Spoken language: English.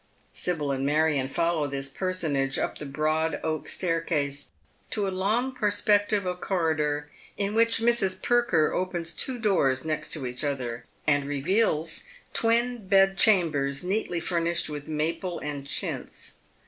Sibyl and Marion follow this personage up the broad oak stair case to a long perspective of corridor, in which Mrs. Perker opens two doors next each other, and reveals twin bedchambers neatly furnished with maple and chintz.